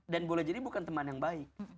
dan boleh jadi bukan teman yang baik